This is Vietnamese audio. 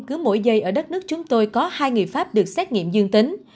cứ mỗi giây ở đất nước chúng tôi có hai người pháp được xét nghiệm dương tính